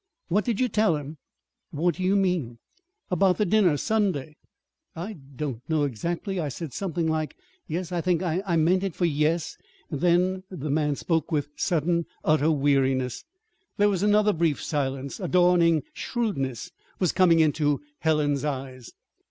"What did you tell him?" "What do you mean?" "About the dinner, Sunday." "I don't know, exactly. I said something; yes, I think. I meant it for yes then." The man spoke with sudden utter weariness. There was another brief silence. A dawning shrewdness was coming into Helen's eyes.